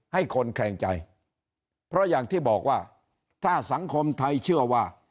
ให้คนแขลงใจเพราะอย่างที่บอกว่าถ้าสังคมไทยเชื่อว่า